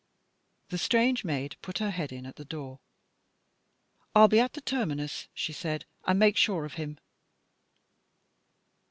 The strange maid put her head in at the door. "I'll be at the terminus," she said, "and make sure of him."